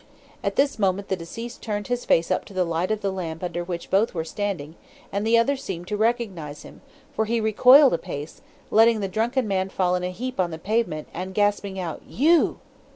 At this moment the deceased turned his face up to the light of the lamp under which both were standing, and the other seemed to recognise him, for he recoiled a pace, letting the drunken man fall in a heap on the pavement, and gasping out 'You?'